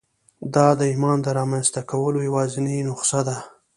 دا د ایمان د رامنځته کولو یوازېنۍ نسخه ده